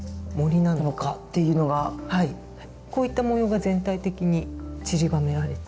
こういった模様が全体的にちりばめられています。